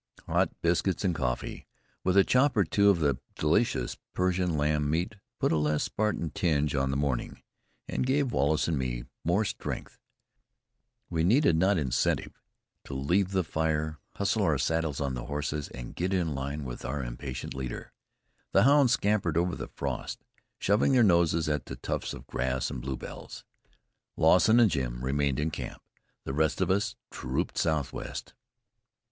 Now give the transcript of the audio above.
Hot biscuits and coffee, with a chop or two of the delicious Persian lamb meat, put a less Spartan tinge on the morning, and gave Wallace and me more strength we needed not incentive to leave the fire, hustle our saddles on the horses and get in line with our impatient leader. The hounds scampered over the frost, shoving their noses at the tufts of grass and bluebells. Lawson and Jim remained in camp; the rest of us trooped southwest.